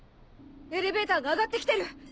エレベーターが上がって来てる。